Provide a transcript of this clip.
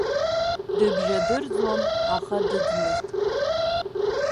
Дыбжьадырӡуан, аха дыӡмызт.